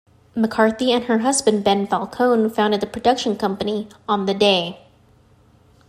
McCarthy and her husband Ben Falcone founded the production company, "On the Day".